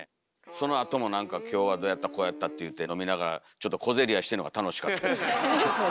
そのあともなんか今日はどうやったこうやったって言うて飲みながらちょっと小競り合いしてんのが楽しかったです。